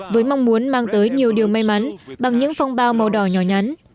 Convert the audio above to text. với mong muốn mang tới nhiều điều may mắn bằng những phong bao màu đỏ nhỏ nhắn